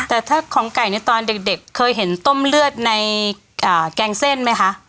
แต่ถ้าของไก่ในตอนเด็กเคยเห็นต้มเลือดในแกงเส้นไหมคะ